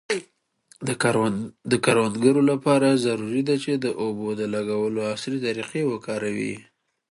د کروندګرو لپاره ضروري ده چي د اوبو د لګولو عصري طریقې وکاروي.